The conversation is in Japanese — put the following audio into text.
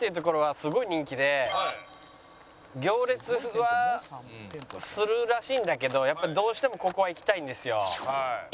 行列はするらしいんだけどやっぱりどうしてもここは行きたいんですよ。